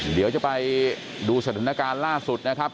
เดี๋ยวจะไปดูสถานการณ์ล่าสุดนะครับ